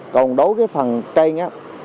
còn đối với phần trên